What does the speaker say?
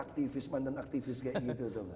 aktivis mantan aktivis kayak gitu